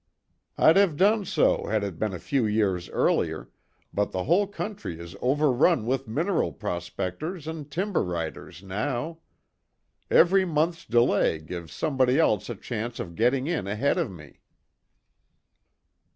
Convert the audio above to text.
"I'd have done so had it been a few years earlier, but the whole country is overrun with mineral prospectors and timber righters now. Every month's delay gives somebody else a chance of getting in ahead of me."